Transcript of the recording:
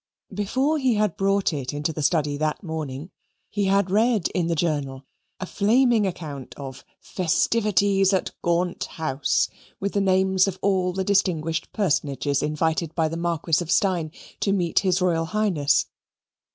Before he had brought it into the study that morning, he had read in the journal a flaming account of "Festivities at Gaunt House," with the names of all the distinguished personages invited by the Marquis of Steyne to meet his Royal Highness.